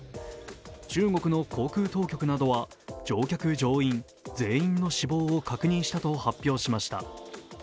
中国の航空当局などは乗客・乗員全員の死亡を確認したと発表しました。